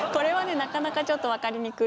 なかなかちょっと分かりにくい。